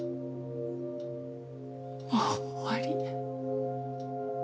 もう終わり。